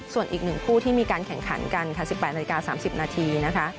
ส่วนอีกหนึ่งคู่ที่มีการแข่งขันกันค่ะสิบแปดนาฬิกาสามสิบนาทีนะคะ